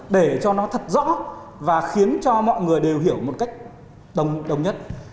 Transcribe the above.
để cho nó thật rõ và khiến cho mọi người đều hiểu một cách đồng nhất